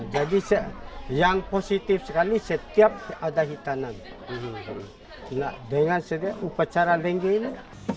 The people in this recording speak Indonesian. jadi yang positif sekali setiap ada hitanan dengan upacara lengge ini